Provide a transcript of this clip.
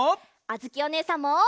あづきおねえさんも！